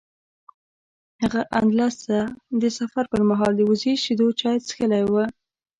هغه اندلس ته د سفر پر مهال د وزې شیدو چای څښلي و.